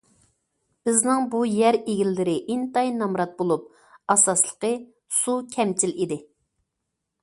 بىزنىڭ بۇ يەر ئىلگىرى ئىنتايىن نامرات بولۇپ، ئاساسلىقى سۇ كەمچىل ئىدى.